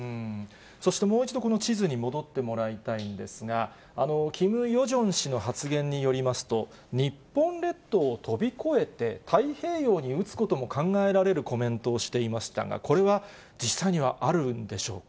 そして、もう一度この地図に戻ってもらいたいんですが、キム・ヨジョン氏の発言によりますと、日本列島を飛び越えて、太平洋に撃つことも考えられるコメントをしていましたが、これは実際にはあるんでしょうか。